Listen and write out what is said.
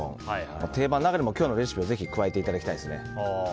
定番の中に今日のレシピも加えていただきたいですね。